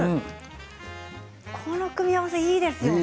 この組み合わせいいですね。